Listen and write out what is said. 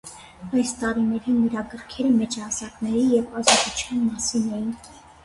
Այդ տարիների նրա գրքերը մեծահասակների և ազատության մասին էին։